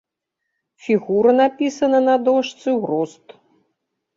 Фігура напісана на дошцы ў рост.